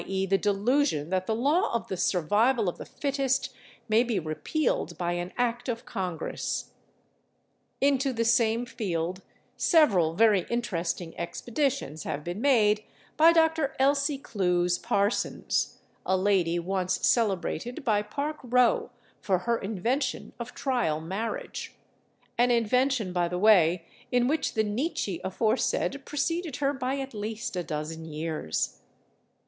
e._, the delusion that the law of the survival of the fittest may be repealed by an act of Congress. Into the same field several very interesting expeditions have been made by Dr. Elsie Clews Parsons, a lady once celebrated by Park Row for her invention of trial marriage—an invention, by the way, in which the Nietzsche aforesaid preceded her by at least a dozen years.